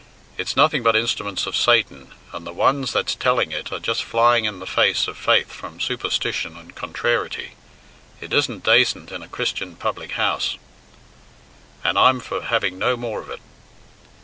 It's nothing but instruments of Satan, and the ones that's telling it are just flying in the face of faith from superstition and contrariety. It isn't dacent in a Christian public house, and I'm for having no more of it."